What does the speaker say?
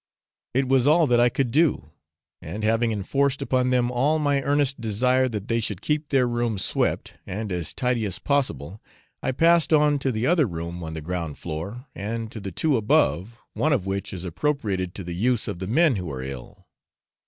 It was all that I could do, and having enforced upon them all my earnest desire that they should keep their room swept, and as tidy as possible, I passed on to the other room on the ground floor, and to the two above, one of which is appropriated to the use of the men who are ill.